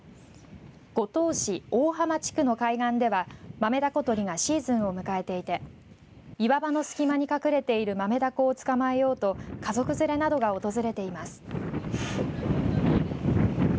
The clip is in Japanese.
五島市大浜地区の海岸ではマメダコ捕りがシーズンを迎えていて岩場の隙間に隠れているマメダコを捕まえようと家族連れなどが訪れています。